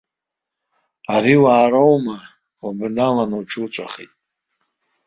Ари уаароума, убналаны уҽуҵәахит.